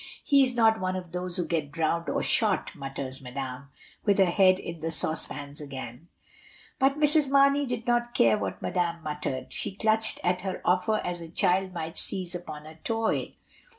He is not one of those who get drowned or shot," mutters Madame, with her head in the saucepans again. But Mrs. Mamey did not care what Madame muttered; she clutched at her offer as a child might seize upon a toy.